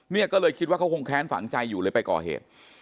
เนี่ยก็เลยคิดว่าเขาคงแค้นฝังใจอยู่เลยไปก่อเหตุ